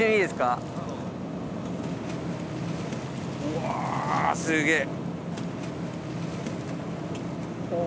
うわすげえ。